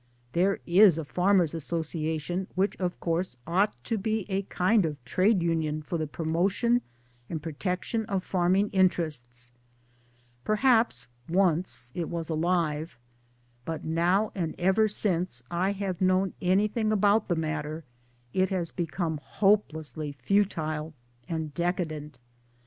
There is a Farmers' Association which of course ought to be a kind of Trade union for the promotion and protection of farming! interests. Perhaps once it was alive ; but now and ever since I have known anything] about the matter it has become hopelessly futile and decadent.